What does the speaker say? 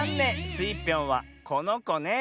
スイぴょんはこのこね。